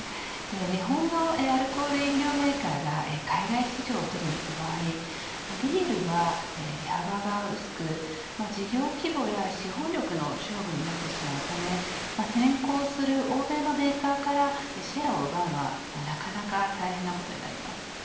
日本のアルコール飲料メーカーが海外市場を取りに行く場合ビールは利幅が薄く事業規模や資本力の勝負になるため先行する欧米のメーカーからシェアを奪うのはなかなか大変なことになります。